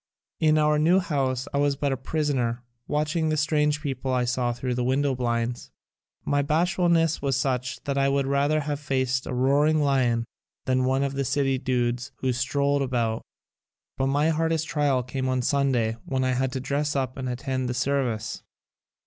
In our new house I was but a prisoner, watching the strange people I saw thru the window blinds. My bashfulness was such that I would rather have faced a roaring lion than one of the city dudes who strolled about. But my hardest trial came on Sunday when I had to dress up and attend the service.